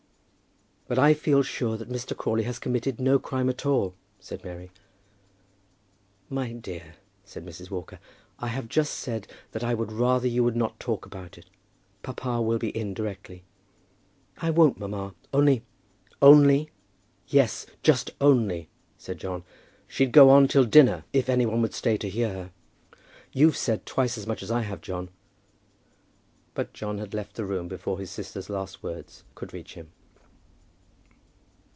"But I feel sure that Mr. Crawley has committed no crime at all," said Mary. "My dear," said Mrs. Walker, "I have just said that I would rather you would not talk about it. Papa will be in directly." "I won't, mamma; only " "Only! yes; just only!" said John. "She'd go on till dinner if any one would stay to hear her." "You've said twice as much as I have, John." But John had left the room before his sister's last words could reach him.